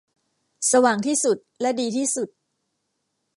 สว่างที่สุดและดีที่สุด